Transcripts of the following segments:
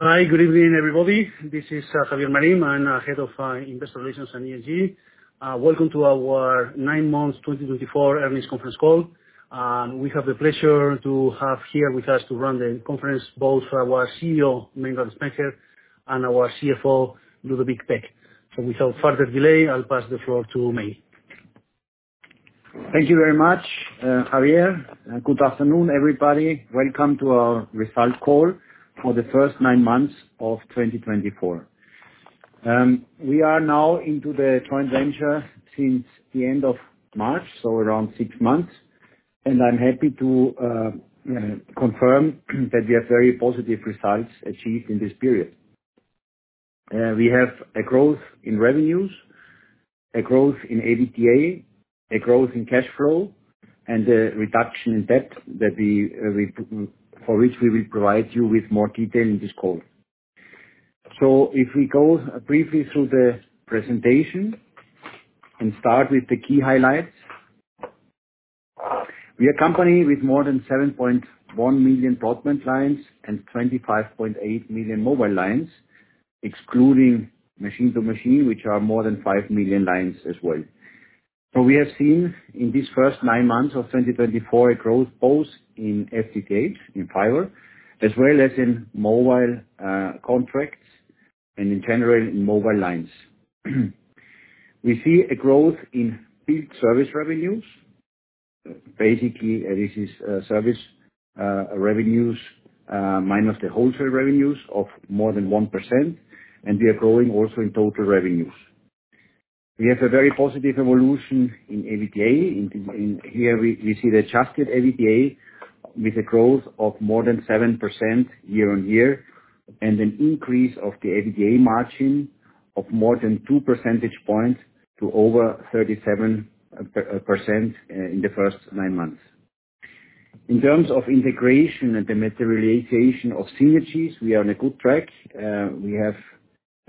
Hi, good evening, everybody. This is Javier Marín. I'm Head of Investor Relations and ESG. Welcome to our nine months twenty twenty-four earnings conference call. We have the pleasure to have here with us to run the conference, both our CEO, Meinrad Spenger, and our CFO, Ludovic Pech. Without further delay, I'll pass the floor to Meinrad. Thank you very much, Javier, good afternoon, everybody. Welcome to our results call for the first nine months of 2024. We are now into the joint venture since the end of March, so around six months, and I'm happy to confirm that we have very positive results achieved in this period. We have a growth in revenues, a growth in EBITDA, a growth in cash flow, and a reduction in debt for which we will provide you with more detail in this call. So if we go briefly through the presentation, and start with the key highlights. We are a company with more than 7.1 million broadband lines and 25.8 million mobile lines, excluding machine-to-machine, which are more than 5 million lines as well. We have seen in these first nine months of twenty twenty-four, a growth both in FTTH, in fiber, as well as in mobile contracts, and in general, in mobile lines. We see a growth in fixed service revenues. Basically, this is service revenues minus the wholesale revenues of more than 1%, and we are growing also in total revenues. We have a very positive evolution in EBITDA. In here we see the Adjusted EBITDA with a growth of more than 7% yea-on-year, and an increase of the EBITDA margin of more than two percentage points to over 37% in the first nine months. In terms of integration and the materialization of synergies, we are on a good track. We have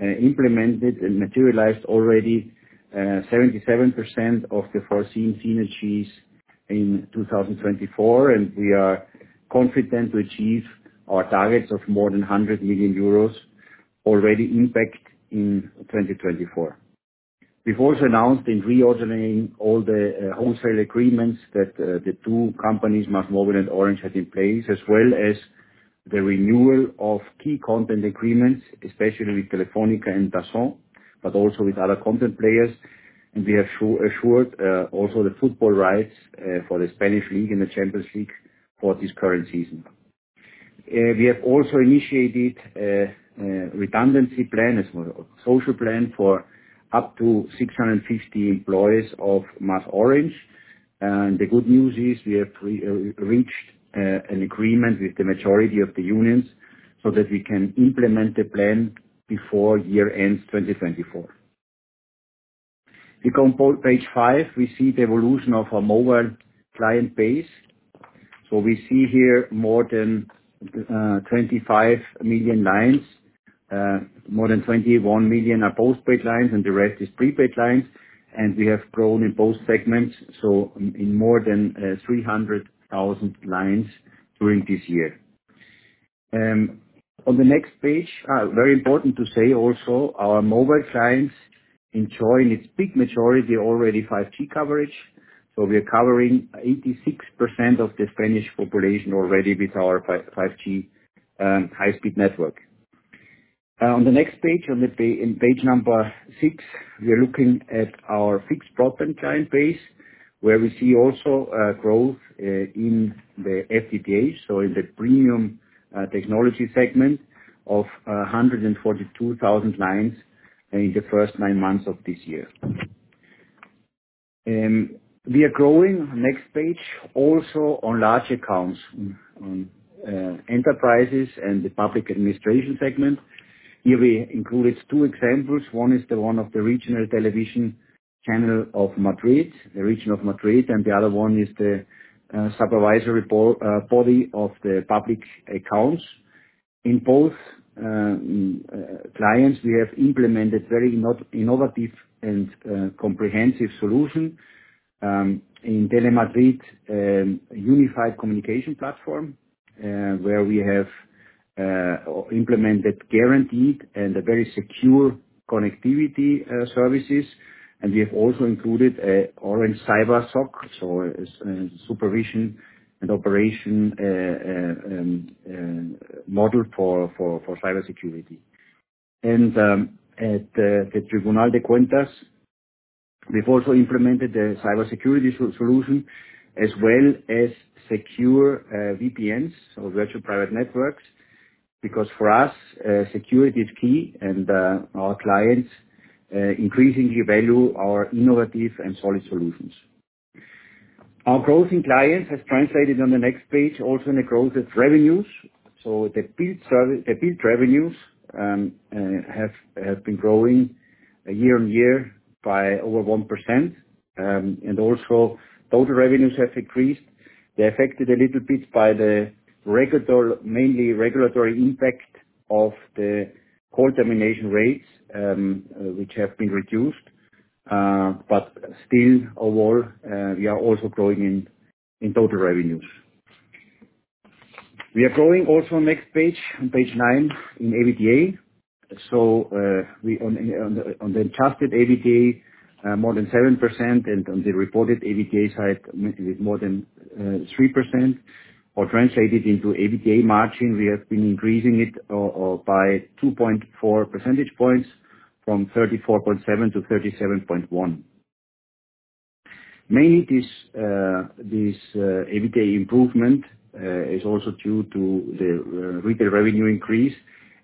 implemented and materialized already 77% of the foreseen synergies in 2024, and we are confident to achieve our targets of more than 100 million euros already impact in 2024. We've also announced in reordering all the wholesale agreements that the two companies, MásMóvil and Orange, had in place, as well as the renewal of key content agreements, especially with Telefónica and DAZN, but also with other content players. We have assured also the football rights for the Spanish League and the Champions League for this current season. We have also initiated a redundancy plan, as well, a social plan, for up to 650 employees of MasOrange. The good news is we have previously reached an agreement with the majority of the unions so that we can implement the plan before year ends in 2024. On Page five, we see the evolution of our mobile client base. We see here more than 25 million lines. More than 21 million are postpaid plans, and the rest is prepaid plans. We have grown in both segments, in more than 300,000 lines during this year. On the next page, very important to say also, our mobile clients enjoy, in its big majority, already 5G coverage. We are covering 86% of the Spanish population already with our 5G high-speed network. On the next page, in page number six, we are looking at our fixed broadband client base, where we see also a growth in the FTTH, so in the premium technology segment of 142,000 lines in the first nine months of this year. We are growing, next page, also on large accounts, on enterprises and the public administration segment. Here, we included two examples. One is the one of the regional television channel of Madrid, the region of Madrid, and the other one is the Tribunal de Cuentas. In both clients, we have implemented very innovative and comprehensive solution in Telemadrid, unified communication platform, where we have implemented, guaranteed, and a very secure connectivity services. We have also included an Orange CyberSOC, so, Supervision and Operation model for cybersecurity. At the Tribunal de Cuentas, we have also implemented a cybersecurity solution, as well as secure VPNs or virtual private networks, because for us, security is key, and our clients increasingly value our innovative and solid solutions. Our growth in clients has translated on the next page, also in the growth of revenues. The fixed revenues have been growing year on year by over 1%, and also total revenues have increased. They are affected a little bit by the regulatory, mainly regulatory impact of the call termination rates, which have been reduced, but still overall, we are also growing in total revenues. We are growing also, next page, on page nine, in EBITDA. On the Adjusted EBITDA more than 7%, and on the reported EBITDA side more than 3%. Or translated into EBITDA margin, we have been increasing it by 2.4 percentage points from 34.7 to 37.1. Mainly this EBITDA improvement is also due to the retail revenue increase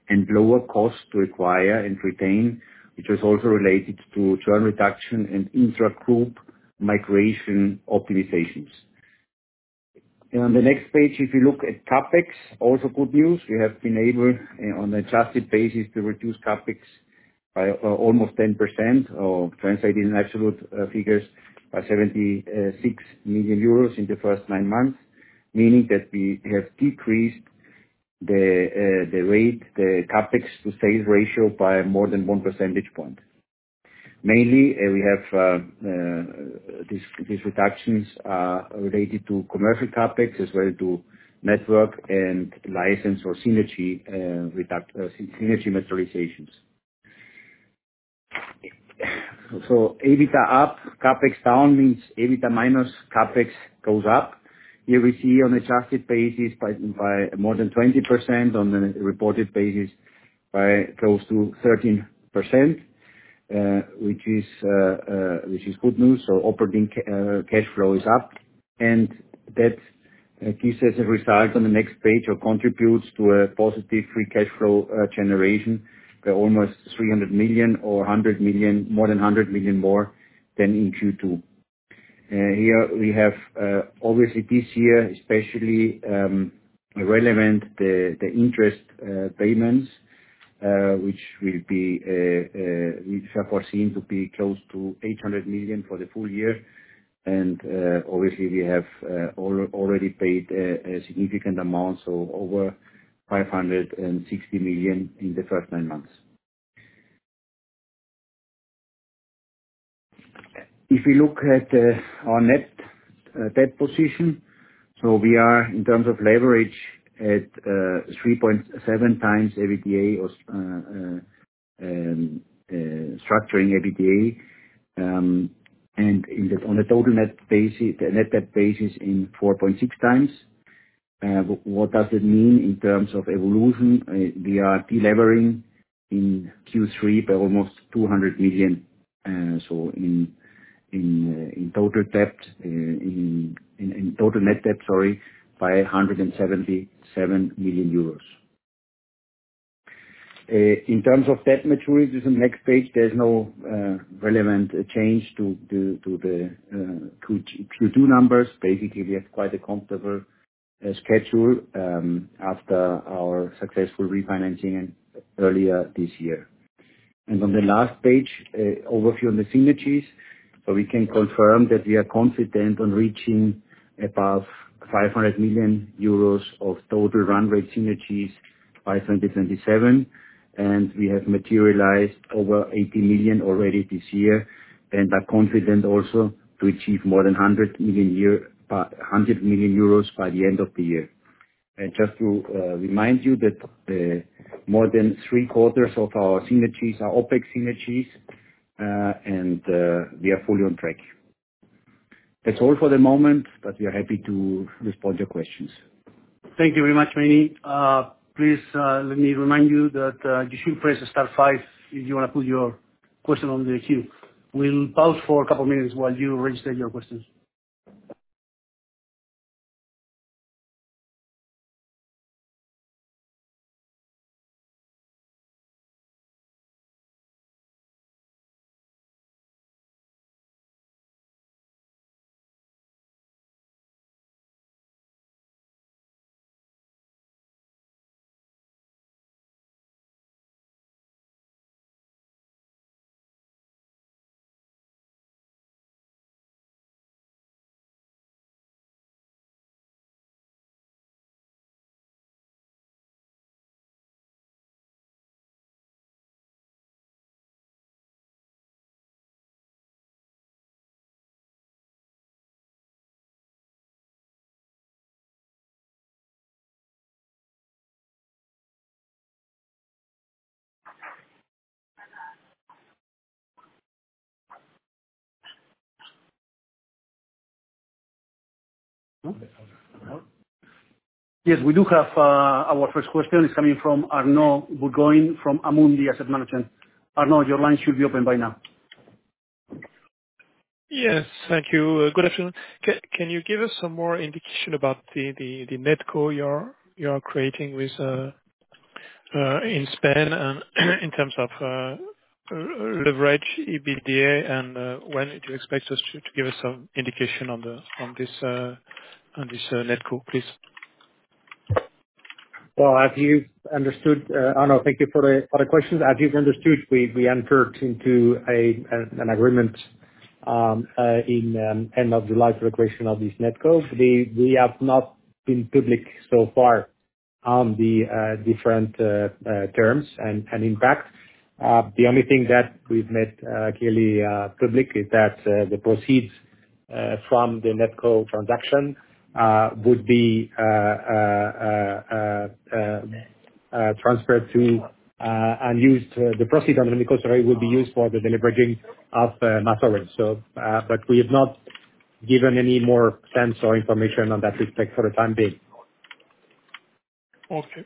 and lower costs to acquire and retain, which is also related to churn reduction and intra-group migration optimizations. On the next page, if you look at CapEx, also good news. We have been able, on adjusted basis, to reduce CapEx by almost 10%, or translated in absolute figures, by 76 million euros in the first nine months, meaning that we have decreased the rate, the CapEx to sales ratio by more than one percentage point. Mainly, we have these reductions are related to commercial topics as well to network and license or synergy, reduct- synergy materializations. So, EBITDA up, CapEx down, means EBITDA minus CapEx goes up. Here we see on adjusted basis by more than 20%, on the reported basis by close to 13%, which is good news. So operating cash flow is up, and that gives us a result on the next page or contributes to a positive free cash flow generation by almost 300 million or 100 million, more than 100 million more than in Q2. Here we have, obviously this year especially relevant, the interest payments which we have foreseen to be close to 800 million for the full year. And, obviously, we have already paid a significant amount, so over 560 million in the first nine months. If you look at our net debt position, so we are, in terms of leverage, at 3.7 times EBITDA or structuring EBITDA. And in the, on a total net basis, net debt basis in 4.6 times. What does it mean in terms of evolution? We are delevering in Q3 by almost 200 million, so in total net debt, sorry, by 177 million euros. In terms of debt maturity, the next page, there's no relevant change to the Q2 numbers. Basically, we have quite a comfortable schedule after our successful refinancing earlier this year. And on the last page, overview on the synergies. So we can confirm that we are confident on reaching above 500 million euros of total run rate synergies by 2027, and we have materialized over 80 million already this year, and are confident also to achieve more than 100 million year, 100 million euros by the end of the year. And just to remind you that more than three quarters of our synergies are OpEx synergies, and we are fully on track. That's all for the moment, but we are happy to respond to your questions. Thank you very much, Meini. Please, let me remind you that you should press star five if you wanna put your question on the queue. We'll pause for a couple minutes while you register your questions. Yes, we do have our first question. It's coming from Arnaud Bourgoin, from Amundi Asset Management. Arnaud, your line should be open by now. Yes, thank you. Good afternoon. Can you give us some more indication about the NetCo you're creating with in Spain and in terms of leverage, EBITDA, and when do you expect to give us some indication on this NetCo, please? As you understood, Arnaud, thank you for the question. As you've understood, we entered into an agreement- end of July for the creation of this NetCo. We have not been public so far on the different terms and impact. The only thing that we've made clearly public is that the proceeds from the NetCo transaction would be transferred to and used, the proceeds on the NetCo side will be used for the deleveraging of MasOrange. So but we have not given any more sense or information on that respect for the time being. Okay,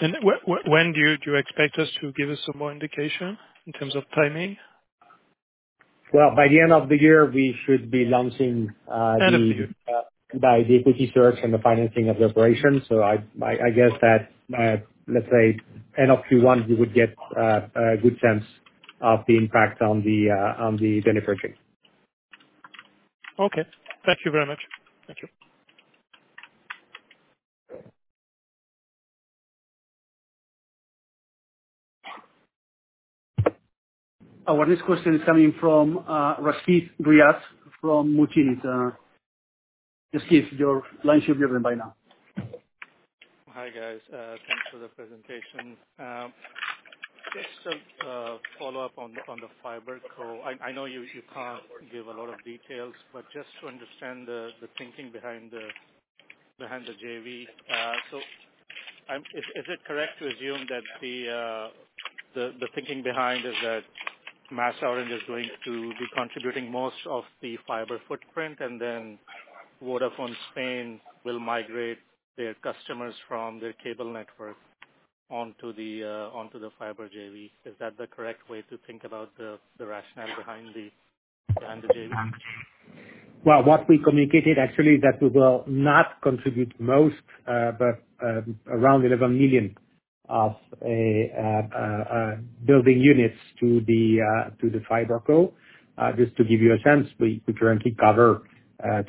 and when do you expect to give us some more indication in terms of timing? By the end of the year, we should be launching the- End of the year. By the equity search and the financing of the operation, so I guess that, let's say, end of Q1, you would get a good sense of the impact on the deleveraging. Okay. Thank you very much. Thank you. Our next question is coming from Rashid Riyat from Muzinich & Co. Rasheed, your line should be open by now. Hi, guys. Thanks for the presentation. Just follow up on the FiberCo. I know you can't give a lot of details, but just to understand the thinking behind the JV. So I'm... Is it correct to assume that the thinking behind is that MasOrange is going to be contributing most of the fiber footprint, and then Vodafone Spain will migrate their customers from their cable network onto the fiber JV? Is that the correct way to think about the rationale behind the JV? What we communicated, actually, that we will not contribute most, but around 11 million of Building Units to the FiberCo. Just to give you a sense, we currently cover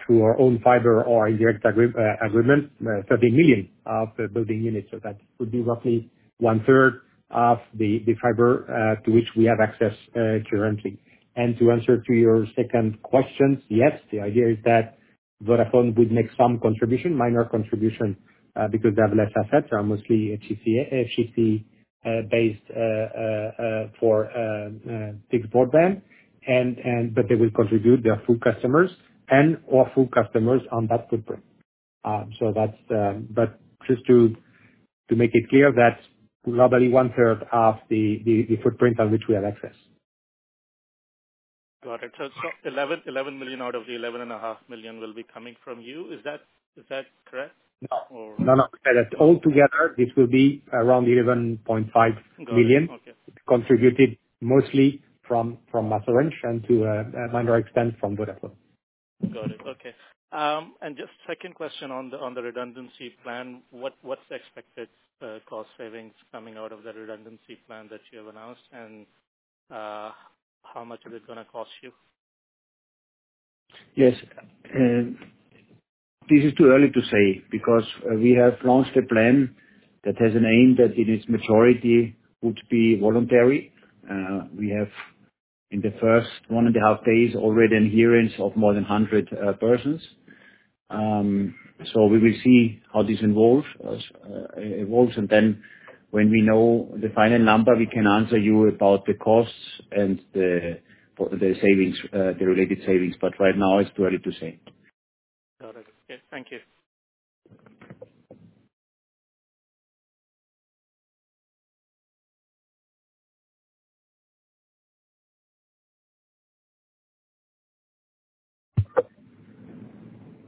through our own fiber or indirect agreement 30 million of Building Units, so that would be roughly one-third of the fiber to which we have access currently. To answer your second question, yes, the idea is that Vodafone would make some contribution, minor contribution, because they have less assets, are mostly HFC based for fixed broadband. But they will contribute their full customers and our full customers on that footprint. So that's, but just to make it clear, that's roughly one third of the footprint on which we have access. Got it. So eleven, eleven million out of the eleven and a half million will be coming from you. Is that, is that correct? No. Or- No, no. I said that all together, this will be around €11.5 million- Got it. Okay. Contributed mostly from MasOrange and to a minor extent from Vodafone. Got it. Okay. And just second question on the redundancy plan. What's the expected cost savings coming out of the redundancy plan that you have announced? And, how much is it gonna cost you? Yes. This is too early to say, because we have launched a plan that has an aim that in its majority would be voluntary. We have in the first one and a half days already an adherence of more than hundred persons. So we will see how this evolves, and then when we know the final number, we can answer you about the costs and the for the savings, the related savings. But right now it's too early to say. Got it. Okay, thank you.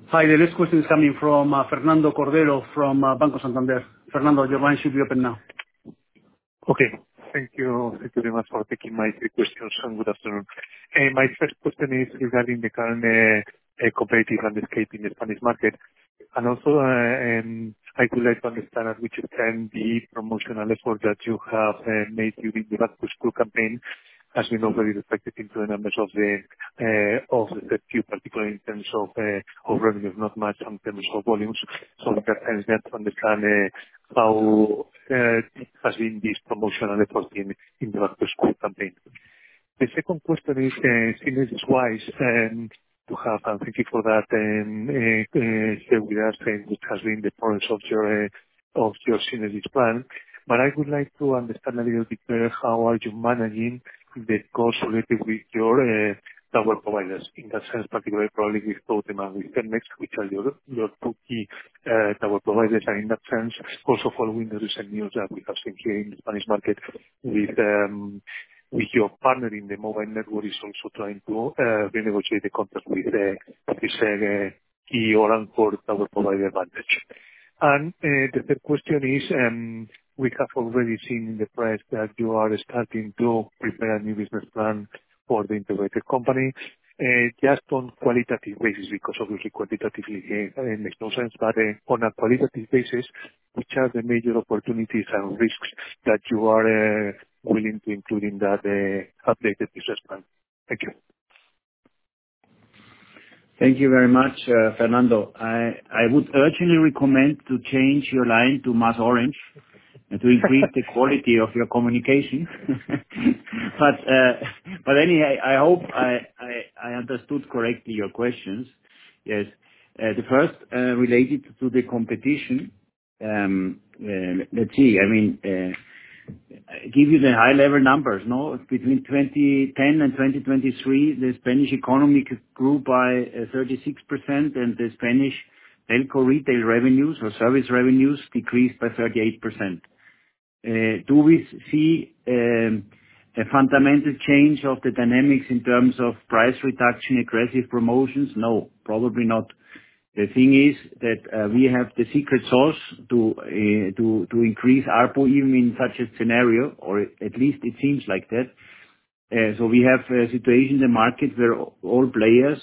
Hi, the next question is coming from Fernando Cordero from Banco Santander. Fernando, your line should be open now. Okay. Thank you. Thank you very much for taking my three questions, and good afternoon. My first question is regarding the current competitive landscape in the Spanish market. And also, I would like to understand how the promotional effort that you have made during the back-to-school campaign, as we know, it's reflected into the numbers of the quarter, particularly in terms of revenue, not much in terms of volumes. So in that sense, I want to understand how has been this promotional effort in the back-to-school campaign? The second question is, synergies-wise, you have, and thank you for that, with us, and what has been the progress of your synergies plan. I would like to understand a little bit better, how are you managing the costs related with your tower providers? In that sense, particularly, probably with Cellnex and American Tower, which are your two key tower providers, and in that sense, also following the recent news that we have seen here in the Spanish market, with your partner in the mobile network is also trying to renegotiate the contract with what you said, American Tower. The third question is, we have already seen in the press that you are starting to prepare a new business plan for the integrated company, just on qualitative basis, because obviously quantitatively, it makes no sense, but, on a qualitative basis, which are the major opportunities and risks that you are, willing to include in that, updated business plan? Thank you. Thank you very much, Fernando. I would urgently recommend to change your line to MasOrange, to increase the quality of your communication. But anyhow, I hope I understood correctly your questions. Yes. The first related to the competition, let's see, I mean, give you the high level numbers, no? Between 2010 and 2023, the Spanish economy could grew by 36%, and the Spanish telco retail revenues or service revenues decreased by 38%. Do we see a fundamental change of the dynamics in terms of price reduction, aggressive promotions? No, probably not. The thing is that we have the secret sauce to increase ARPU, even in such a scenario, or at least it seems like that. We have a situation in the market where all players,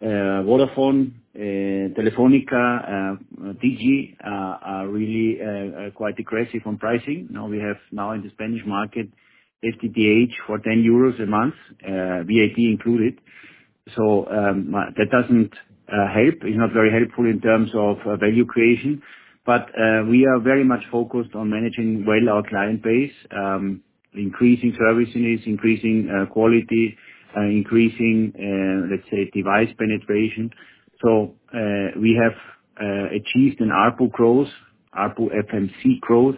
Vodafone, Telefónica, Digi, are really quite aggressive on pricing. Now we have in the Spanish market, FTTH for 10 euros a month, VAT included. So that doesn't help. It's not very helpful in terms of value creation, but we are very much focused on managing well our client base, increasing services, increasing quality, increasing, let's say, device penetration. So we have achieved an ARPU growth, ARPU FMC growth,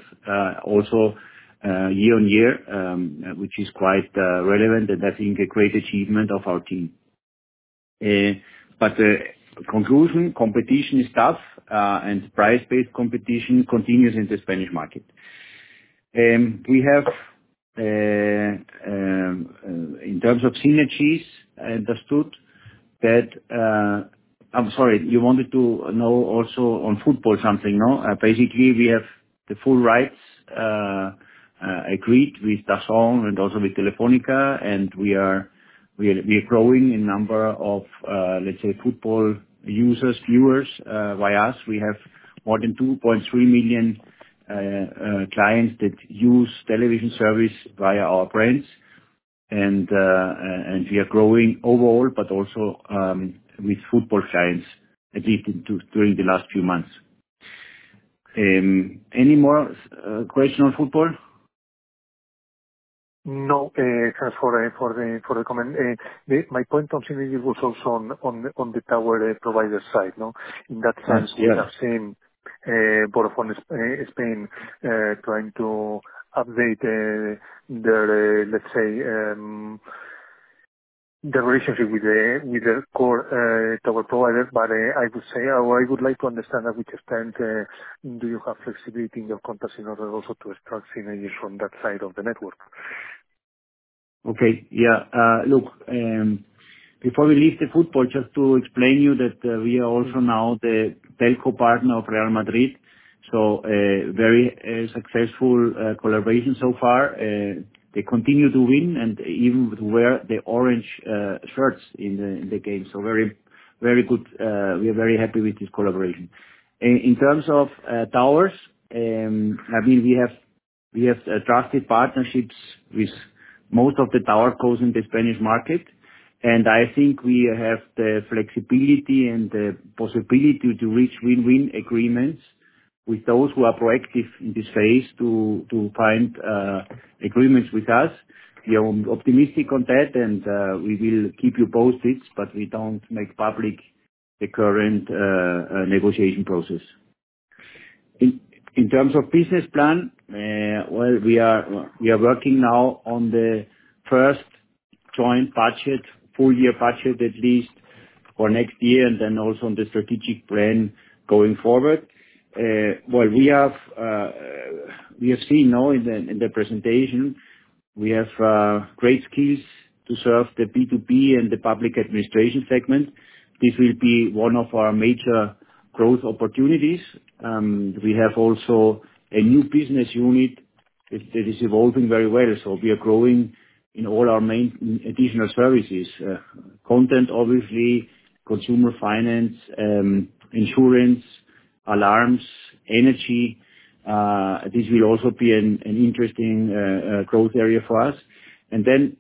also year on year, which is quite relevant, and I think a great achievement of our team. The conclusion, competition is tough, and price-based competition continues in the Spanish market. We have, in terms of synergies, I understood that. I'm sorry, you wanted to know also on football something, no? Basically, we have the full rights agreed with DAZN and also with Telefónica, and we are growing in number of, let's say, football users, viewers via us. We have more than 2.3 million clients that use television service via our brands, and we are growing overall, but also with football clients, at least during the last few months. Any more question on football? No, just for the comment. My point on synergy was also on the tower provider side, no? Yes. In that sense, we have seen Vodafone Spain trying to update their, let's say, the relationship with the core tower providers. But I would say, or I would like to understand to which extent do you have flexibility in your contracts in order also to extract synergies from that side of the network? Okay. Yeah. Look, before we leave the football, just to explain you that, we are also now the telco partner of Real Madrid, so, very successful collaboration so far. They continue to win, and even wear the orange shirts in the game. So very, very good, we are very happy with this collaboration. In terms of towers, I mean, we have trusted partnerships with most of the towercos in the Spanish market, and I think we have the flexibility and the possibility to reach win-win agreements with those who are proactive in this phase to find agreements with us. We are optimistic on that, and we will keep you posted, but we don't make public the current negotiation process. In terms of business plan, well, we are working now on the first joint budget, full year budget, at least for next year, and then also on the strategic plan going forward. Well, we have seen now in the presentation, we have great skills to serve the B2B and the public administration segment. This will be one of our major growth opportunities. We have also a new business unit that is evolving very well, so we are growing in all our main additional services, content, obviously, consumer finance, insurance, alarms, energy. This will also be an interesting growth area for us, and then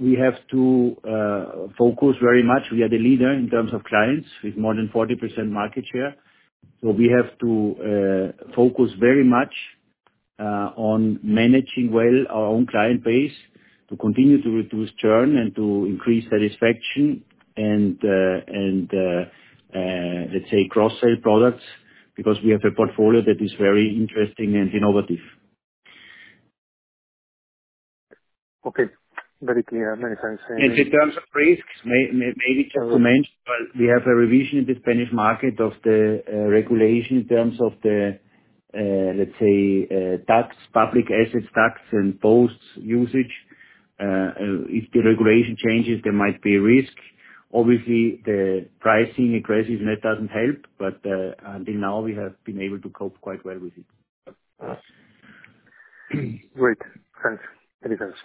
we have to focus very much. We are the leader in terms of clients, with more than 40% market share. So we have to focus very much on managing well our own client base, to continue to reduce churn and to increase satisfaction, and let's say cross-sell products, because we have a portfolio that is very interesting and innovative. Okay. Very clear. Many thanks. And in terms of risks, maybe just to mention, but we have a revision in the Spanish market of the regulation in terms of the, let's say, tax, public assets tax and poles usage. If the regulation changes, there might be risk. Obviously, the pricing aggressive, and it doesn't help, but until now, we have been able to cope quite well with it. Great. Thanks. Many thanks.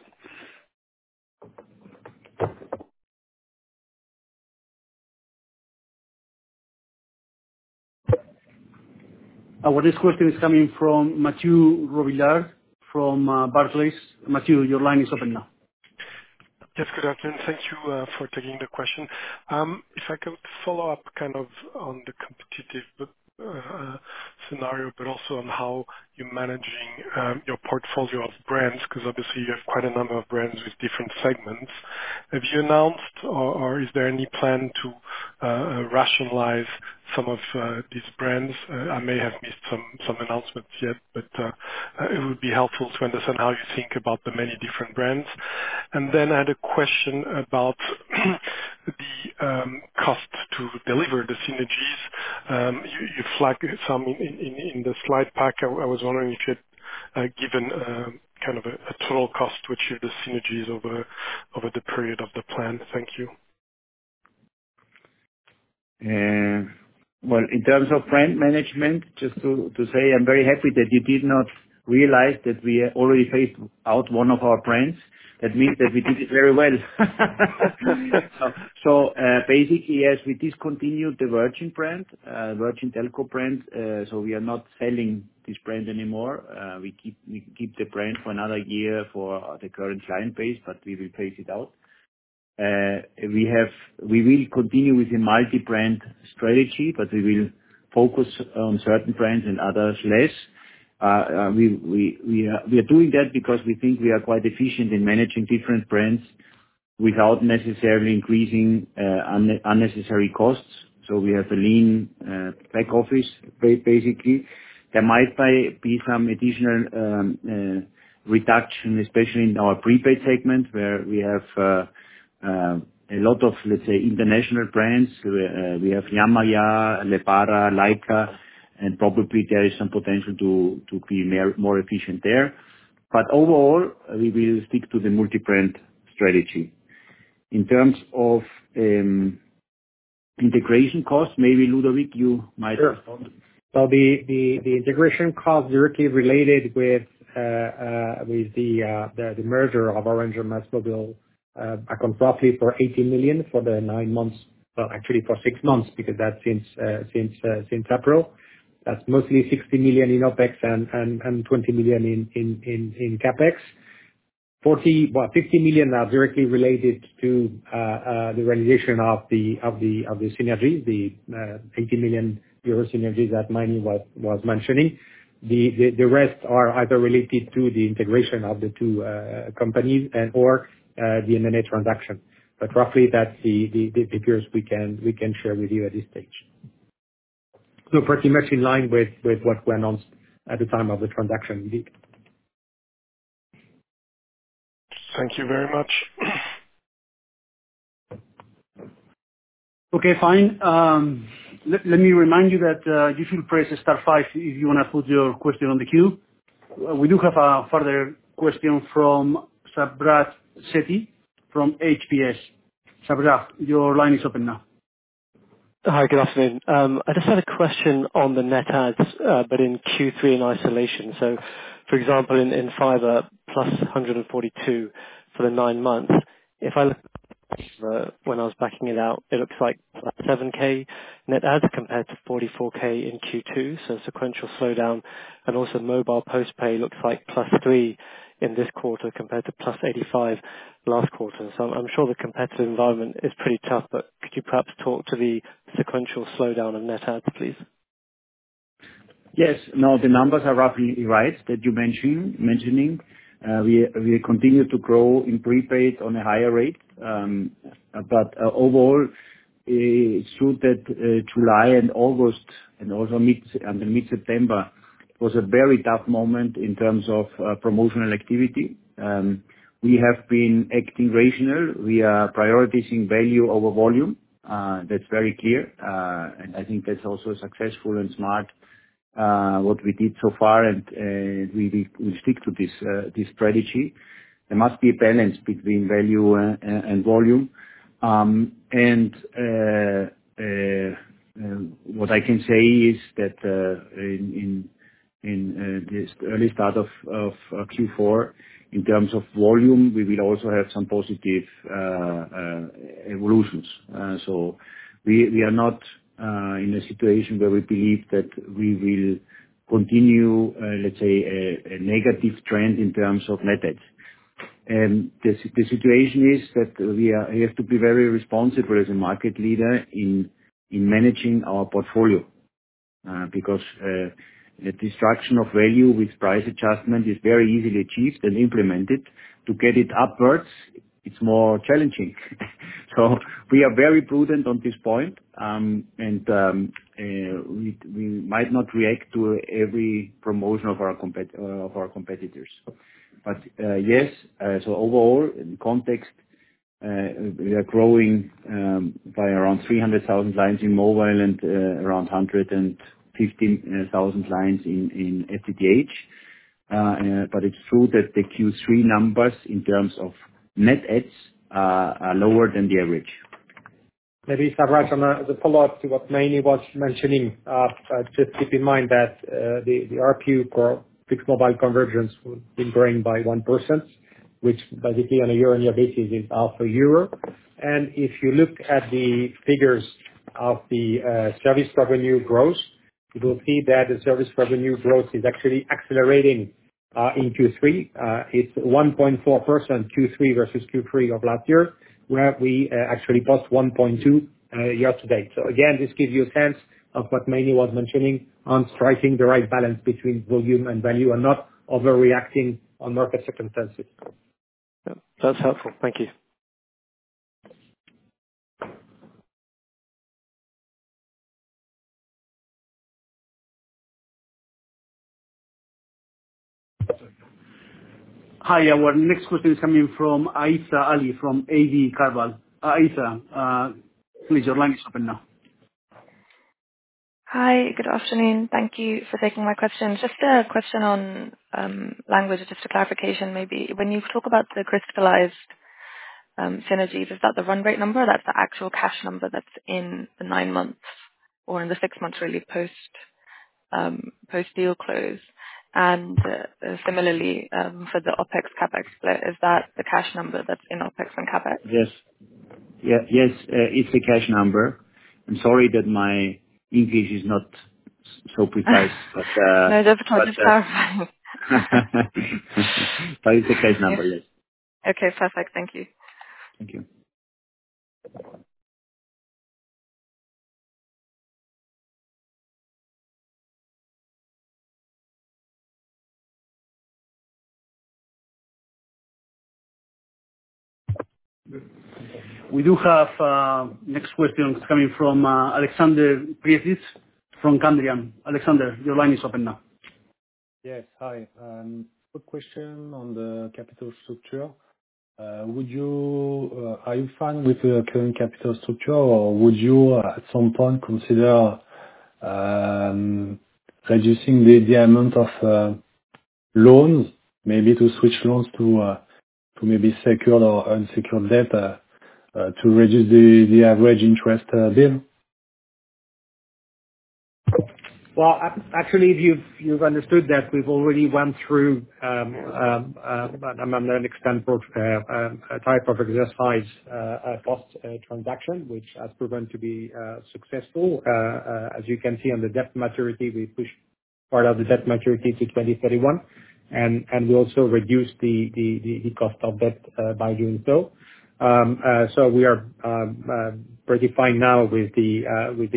Our next question is coming from Mathieu Robillard, from, Barclays. Mathieu, your line is open now. Yes, good afternoon. Thank you for taking the question. If I could follow up kind of on the competitive scenario, but also on how you're managing your portfolio of brands, 'cause obviously you have quite a number of brands with different segments. Have you announced, or is there any plan to rationalize some of these brands? I may have missed some announcements yet, but it would be helpful to understand how you think about the many different brands. And then I had a question about the cost to deliver the synergies. You flagged some in the slide pack. I was wondering if you had given kind of a total cost, which are the synergies over the period of the plan? Thank you. Well, in terms of brand management, just to say, I'm very happy that you did not realize that we already phased out one of our brands. That means that we did it very well. So, basically, yes, we discontinued the Virgin brand, Virgin Telco brand, so we are not selling this brand anymore. We keep the brand for another year for the current client base, but we will phase it out. We will continue with a multi-brand strategy, but we will focus on certain brands and others less. We are doing that because we think we are quite efficient in managing different brands without necessarily increasing unnecessary costs. So we have a lean back office, basically. There might be some additional reduction, especially in our prepaid segment, where we have a lot of, let's say, international brands. We have Llamaya, Lebara, Lyca, and probably there is some potential to be more efficient there. But overall, we will stick to the multi-brand strategy. In terms of integration costs, maybe Ludovic, you might respond. Sure. So the integration costs directly related with the merger of Orange and MásMóvil account roughly for 18 million for the nine months. Well, actually, for six months, because that's since April. That's mostly 16 million in OpEx and 20 million in CapEx. Well, 50 million are directly related to the realization of the synergy, the 80 million euro synergy that Meinrad was mentioning. The rest are either related to the integration of the two companies and, or the M&A transaction. But roughly, that's the figures we can share with you at this stage. So pretty much in line with what we announced at the time of the transaction indeed. Thank you very much. Okay, fine. Let me remind you that you should press star five if you wanna put your question on the queue. We do have a further question from Samrat Sethi, from HPS. Samrat, your line is open now. Hi, good afternoon. I just had a question on the net adds, but in Q3 in isolation. So, for example, in fiber, plus 142 for the nine months, if I look, when I was backing it out, it looks like 7K net adds compared to 44K in Q2, so sequential slowdown, and also Mobile Postpaid looks like plus 3 in this quarter compared to plus 85 last quarter. So I'm sure the competitive environment is pretty tough, but could you perhaps talk to the sequential slowdown of net adds, please? Yes. No, the numbers are roughly right, that you mentioned. We continue to grow in prepaid on a higher rate. But overall, it's true that July and August, and also mid-September, was a very tough moment in terms of promotional activity. We have been acting rational. We are prioritizing value over volume. That's very clear. And I think that's also successful and smart what we did so far, and we stick to this strategy. There must be a balance between value and volume. And what I can say is that in this early start of Q4, in terms of volume, we will also have some positive evolutions. So we are not in a situation where we believe that we will continue, let's say, a negative trend in terms of net adds. The situation is that we have to be very responsible as a market leader in managing our portfolio, because the destruction of value with price adjustment is very easily achieved and implemented. To get it upwards, it's more challenging. So we are very prudent on this point, and we might not react to every promotion of our competitors. But yes, so overall, in context, we are growing by around 300,000 lines in mobile and around 115,000 lines in FTTH. But it's true that the Q3 numbers, in terms of net adds, are lower than the average. Maybe Samrat, as a follow-up to what Meinrad was mentioning, just keep in mind that the RPU for Fixed-Mobile Convergence would be growing by 1%, which basically on a year-on-year basis is EUR 0.5. And if you look at the figures of the service revenue growth, you will see that the service revenue growth is actually accelerating in Q3. It's 1.4%, Q3 versus Q3 of last year, where we actually passed 1.2% year to date. So again, this gives you a sense of what Manny was mentioning on striking the right balance between volume and value, and not overreacting on market circumstances. Yeah, that's helpful. Thank you. Hi, our next question is coming from Aissa El-Ali from AB CarVal. Aissa, please, your line is open now. Hi, good afternoon. Thank you for taking my question. Just a question on language, just a clarification, maybe. When you talk about the crystallized synergies, is that the run rate number, or that's the actual cash number that's in the nine months or in the six months really post-deal close? And similarly for the OpEx CapEx split, is that the cash number that's in OpEx and CapEx? Yes. Yeah. Yes, it's the cash number. I'm sorry that my English is not so precise, but. No, that's quite clarifying. But it's the cash number, yes. Okay, perfect. Thank you. Thank you. We do have next question coming from Alexandre Pietrzyk from Candriam. Alexandre, your line is open now. Yes. Hi, quick question on the capital structure. Would you, are you fine with the current capital structure, or would you, at some point, consider reducing the amount of loans? Maybe to switch loans to maybe secured or unsecured debt to reduce the average interest bill? Actually, you've understood that we've already went through a liability management transaction, which has proven to be successful. As you can see on the debt maturity, we pushed part of the debt maturity to twenty thirty-one, and we also reduced the cost of debt by doing so. So we are pretty fine now with the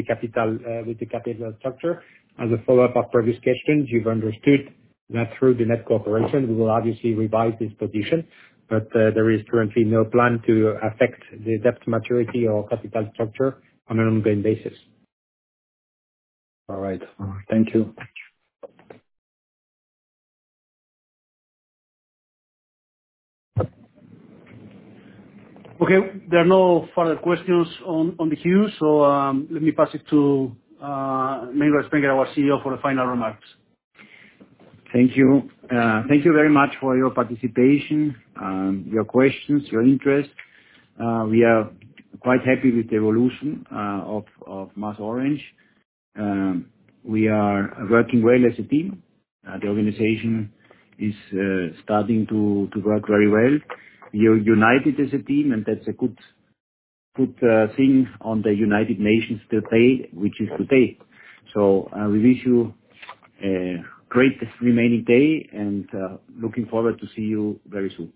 capital structure. As a follow-up after this question, you've understood that through the NetCo, we will obviously revise this position, but there is currently no plan to affect the debt maturity or capital structure on an ongoing basis. All right. Thank you. Okay, there are no further questions on the queue, so let me pass it to Meinrad Spenger, our CEO, for the final remarks. Thank you. Thank you very much for your participation, your questions, your interest. We are quite happy with the evolution of MasOrange. We are working well as a team. The organization is starting to work very well. We are united as a team, and that's a good thing on the United Nations Day, which is today. We wish you a great remaining day, and looking forward to see you very soon.